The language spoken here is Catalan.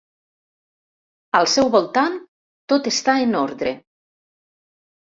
Al seu voltant tot està en ordre.